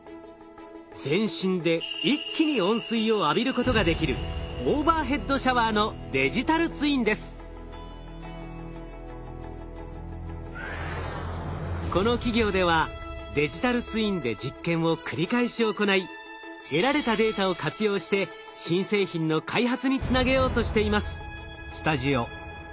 全身で一気に温水を浴びることができるこの企業ではデジタルツインで実験を繰り返し行い得られたデータを活用して新製品の開発につなげようとしています。